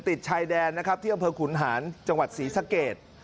ติดชายแดนนะครับที่อำเภอขุนหานจังหวัดศรีสะเกด